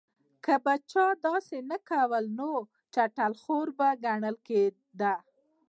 که به چا داسې نه کول نو چټل خور به ګڼل کېده.